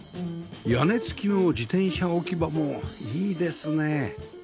屋根付きの自転車置き場もいいですね